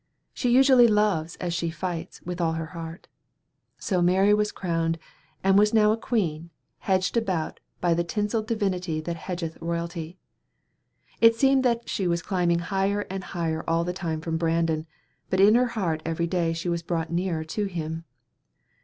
She usually loves as she fights with all her heart. So Mary was crowned, and was now a queen, hedged about by the tinseled divinity that hedgeth royalty. It seemed that she was climbing higher and higher all the time from Brandon, but in her heart every day she was brought nearer to him.